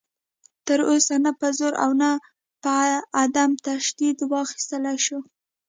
تر اوسه نه په زور او نه په عدم تشدد واخیستلی شو